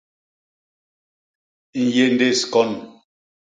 Nyéndés kon.